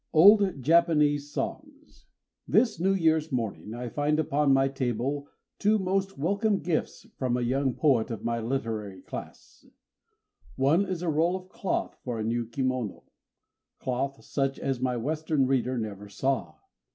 Old Japanese Songs [Decoration] THIS New Year's morning I find upon my table two most welcome gifts from a young poet of my literary class. One is a roll of cloth for a new kimono, cloth such as my Western reader never saw.